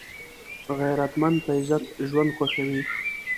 غیرتمند په عزت ژوند خوښوي